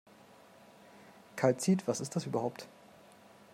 Kalzit, was ist das überhaupt?